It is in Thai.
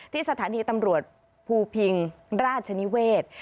ที่สถานีตำรวจภูพิงราชนิเวศ